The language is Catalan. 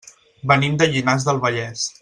Venim de Llinars del Vallès.